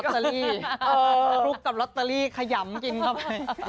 ข้าวเปล่าคลุกกับล็อตเตอรี่ขยำกินเข้าไป